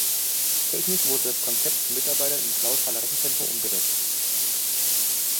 Technisch wurde das Konzept von Mitarbeitern im Clausthaler Rechenzentrum umgesetzt.